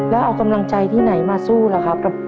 แล้วเอากำลังใจที่ไหนมาสู้ล่ะครับ